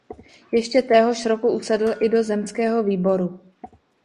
Ještě téhož roku usedl i do zemského výboru.